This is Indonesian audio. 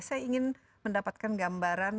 saya ingin mendapatkan gambaran